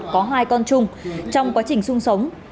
có hai con chung trong quá trình sung sống